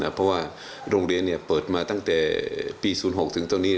เพราะว่าโรงเรียนเปิดมาตั้งแต่ปี๐๖ถึงตอนนี้